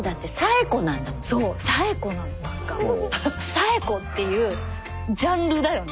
紗栄子っていうジャンルだよね。